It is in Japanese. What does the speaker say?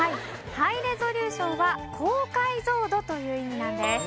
ハイレゾリューションは高解像度という意味なんです。